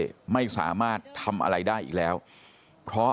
เขายังมีโอกาสได้พิสูจน์ตัวเองใส่ร้ายหรือเปล่าแพ้หรือเปล่า